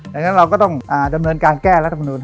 ดังนั้นเราก็ต้องดำเนินการแก้รัฐมนุน